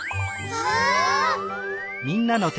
わあ！